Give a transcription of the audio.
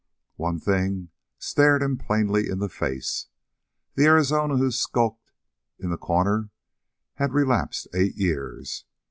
One thing stared him plainly in the face. The Arizona who skulked in the corner had relapsed eight years.